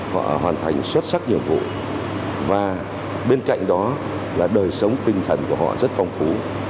họ hoàn thành xuất sắc nhiệm vụ và bên cạnh đó là đời sống tinh thần của họ rất phong phú